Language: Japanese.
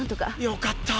よかった。